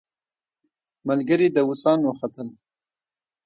ملګري داووسان وختل.